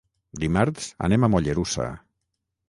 Dimarts anem a Mollerussa.